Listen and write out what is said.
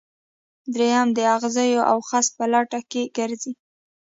دویم د اغزیو او خس په لټه کې ګرځي.